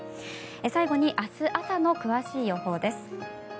最後に明日朝の詳しい予報です。